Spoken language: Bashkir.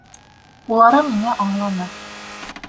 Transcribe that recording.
Улары мине аңланы.